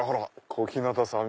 小日向さん！